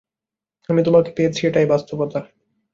আমি তোমাকে পেয়েছি এটাই বাস্তবতা।